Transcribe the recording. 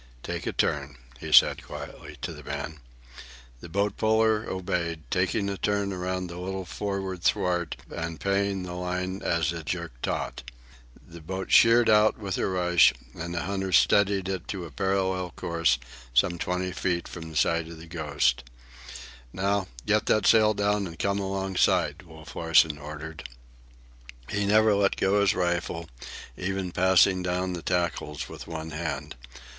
"Take a turn," he said quietly to the man. The boat puller obeyed, taking a turn around the little forward thwart and paying the line as it jerked taut. The boat sheered out with a rush, and the hunter steadied it to a parallel course some twenty feet from the side of the Ghost. "Now, get that sail down and come alongside!" Wolf Larsen ordered. He never let go his rifle, even passing down the tackles with one hand.